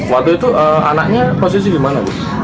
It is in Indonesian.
waktu itu anaknya posisi di mana